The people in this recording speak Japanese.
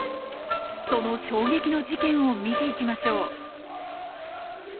その衝撃の事件を見ていきましょう。